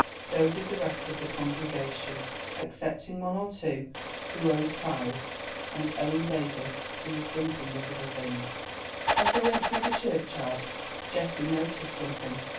So did the rest of the congregation, excepting one or two who owed tithe, and Owen Davies, who was thinking of other things. As they went through the churchyard, Geoffrey noticed something.